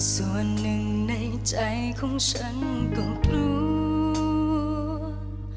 ส่วนหนึ่งในใจของฉันก็กลัว